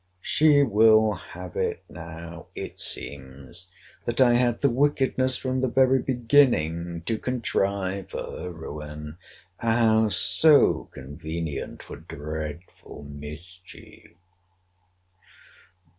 She will have it now, it seems, that I had the wickedness from the very beginning, to contrive, for her ruin, a house so convenient for dreadful mischief.